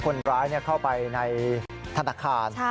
คนร้ายเข้าไปในธนาคาร